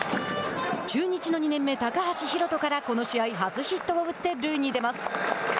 中日の２年目高橋宏斗からこの試合初ヒットを打って塁に出ます。